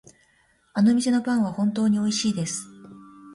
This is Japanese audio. あの店のパンは本当においしいです。